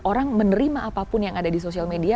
orang menerima apapun yang ada di sosial media